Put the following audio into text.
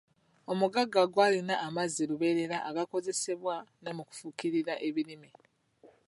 Omugga gwalina amazzi lubeerera agaakozesebwa ne mu kufukirira ebirime.